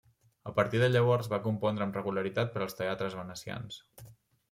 A partir de llavors va compondre amb regularitat per als teatres venecians.